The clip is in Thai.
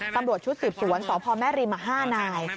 ตำรวจชุดสืบสวนสพแม่ริม๕นาย